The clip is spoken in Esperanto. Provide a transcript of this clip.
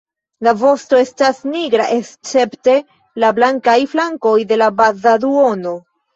La vosto estas nigra escepte la blankaj flankoj de la baza duono.